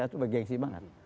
itu bagian istimewa